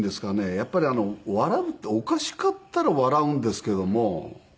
やっぱり笑うっておかしかったら笑うんですけども。